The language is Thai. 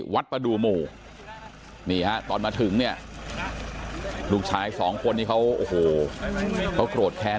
วัดประดูกหมู่ตอนมาถึงเนี่ยลูกชาย๒คนนี้เขาโอ้โหเขากรวดแค้น